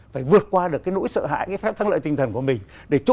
phải vượt qua nỗi sợ hãi phép thắng lợi tinh thần của mình